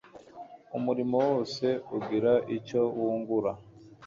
Umurimo wose ugira icyo wungura